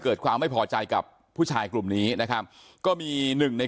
เกิดความไม่พอใจกับผู้ชายกลุ่มนี้นะครับก็มีหนึ่งใน